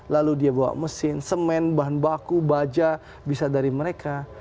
lalu dia bawa mesin semen bahan baku baja bisa dari mereka